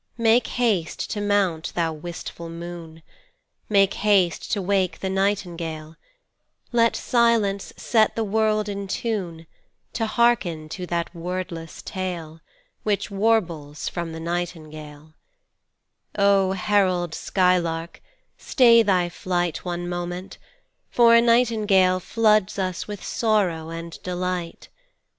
Make haste to mount, thou wistful moon, Make haste to wake the nightingale: Let silence set the world in tune To hearken to that wordless tale Which warbles from the nightingale O herald skylark, stay thy flight One moment, for a nightingale Floods us with sorrow and delight.